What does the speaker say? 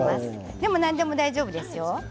でも何でも大丈夫ですよ。